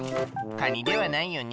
かにではないよね。